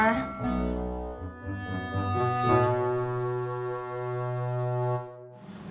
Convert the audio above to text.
kedah ya ma